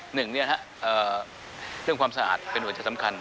หนึ่งเรื่องความสะอาดเป็นหัวใจสำคัญ